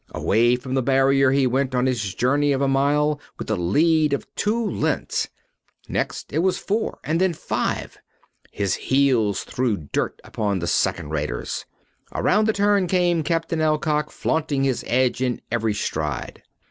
Away from the barrier he went on his journey of a mile with a lead of two lengths. Next it was four and then five. His heels threw dust upon the second raters. Around the turn came Captain Alcock flaunting his edge in every stride.